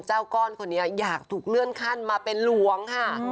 เจ้าก้อนคนนี้อยากถูกเลื่อนขั้นมาเป็นหลวงค่ะ